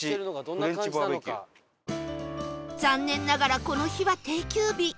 残念ながらこの日は定休日